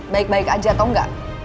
baik baik aja atau enggak